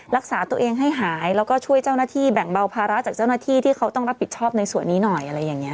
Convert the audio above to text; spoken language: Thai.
รักษาตัวเองให้หายแล้วก็ช่วยเจ้าหน้าที่แบ่งเบาภาระจากเจ้าหน้าที่ที่เขาต้องรับผิดชอบในส่วนนี้หน่อยอะไรอย่างนี้